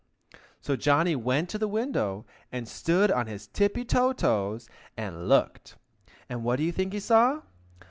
So Johnny went to the window, and stood on his tippy toe toes, and looked; and what do you think he saw?